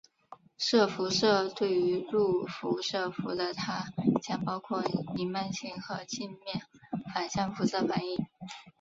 射辐射对入射辐射的它将包括弥漫性和镜面反射辐射反映。